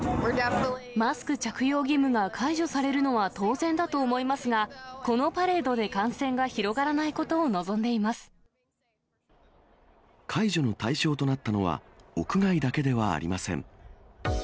マスク着用義務が解除されるのは当然だと思いますが、このパレードで感染が広がらないことを解除の対象となったのは、屋外だけではありません。